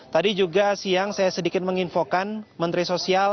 tadi juga siang saya sedikit menginfokan menteri sosial